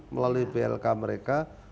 melalui blk mereka